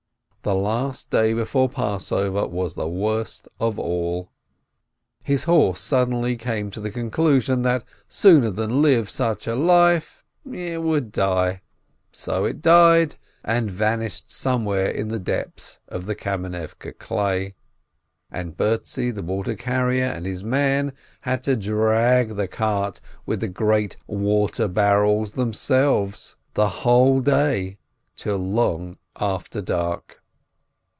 The last day before Passover was the worst of all. His horse suddenly came to the conclusion that sooner than live such a life, it would die. So it died and van ished somewhere in the depths of the Kamenivke clay. And Bertzi the water carrier and his man had to drag the cart with the great water barrel themselves, the whole day till long after dark.